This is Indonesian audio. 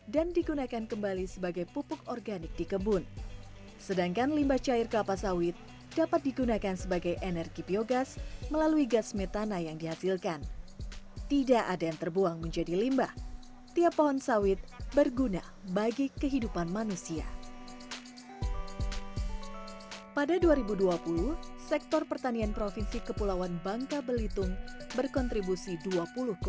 jangan lupa untuk menikmati video selanjutnya